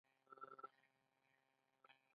که سل کاله مخکې حالاتو ته نظر وکړو.